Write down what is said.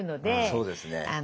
そうですね。